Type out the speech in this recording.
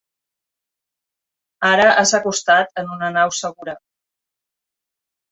Ara has acostat en una nau segura.